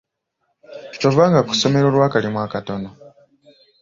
Tovanga ku ssomero olw'akalimu akatono.